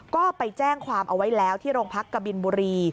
ก็ไปแจ้งความเอาไว้แล้วที่โรงพักกบินบุรี